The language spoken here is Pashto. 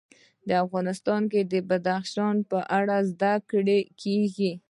افغانستان کې د بدخشان په اړه زده کړه کېږي.